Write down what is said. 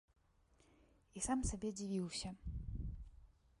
І сам сабе дзівіўся.